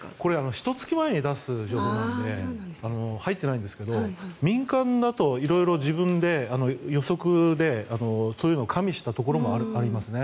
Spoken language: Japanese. ひと月前に出す情報なので入っていないんですが民間だと色々、自分で予測で、そういうのを加味したところもありますね。